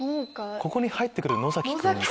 ここに入って来る野崎君が。